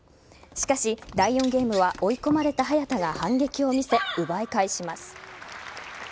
しかし、第４ゲームは追い込まれた早田が反撃を見せ奪い返します。